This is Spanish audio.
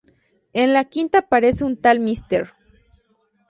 En la quinta aparece una tal Mrs.